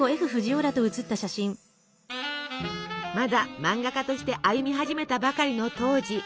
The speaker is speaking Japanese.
まだ漫画家として歩み始めたばかりの当時。